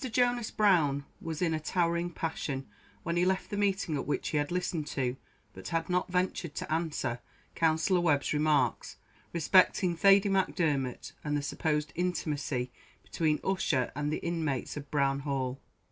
Jonas Brown was in a towering passion, when he left the meeting at which he had listened to, but had not ventured to answer, Counsellor Webb's remarks respecting Thady Macdermot and the supposed intimacy between Ussher and the inmates of Brown Hall.